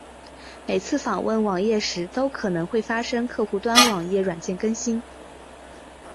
每次访问网页时都可能会发生客户端网页软件更新。